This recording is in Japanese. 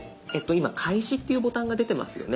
今「開始」っていうボタンが出てますよね。